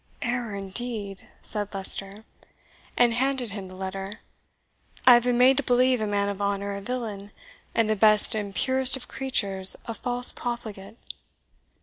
"Error, indeed!" said Leicester, and handed him the letter; "I have been made to believe a man of honour a villain, and the best and purest of creatures a false profligate.